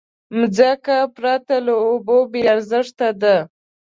مځکه پرته له اوبو بېارزښته ده.